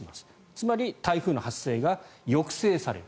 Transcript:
つまり台風の発生が抑制される。